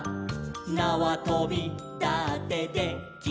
「なわとびだってで・き・る」